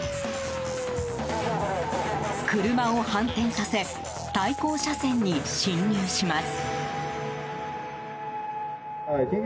車を反転させ対向車線に進入します。